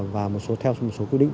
và theo một số quy định